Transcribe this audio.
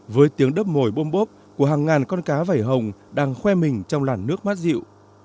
với tiếng đớp mồi bôm bốp của hàng ngàn con cá vảy hồng đang khoe mình trong làn nước mát dịu